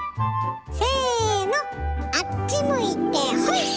せのあっち向いてホイ！